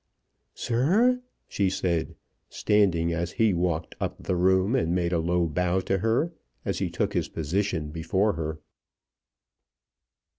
"Sir?" she said, standing as he walked up the room and made a low bow to her as he took his position before her.